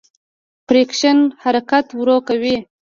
فریکشن حرکت ورو کوي.